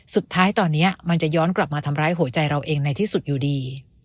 สุดท้ายตอนนี้มันจะย้อนกลับมาทำร้ายหัวใจเราเองในที่สุดอยู่ดี